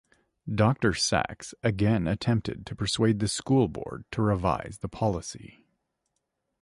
Doctor Saxe again attempted to persuade the School Board to revise the policy.